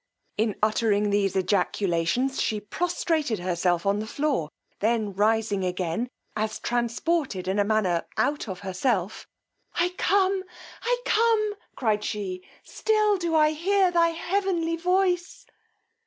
In uttering these ejaculations she prostrated herself on the floor; then rising again, as transported in a manner out of herself, I come, I come, cried she; still do I hear thy heavenly voice!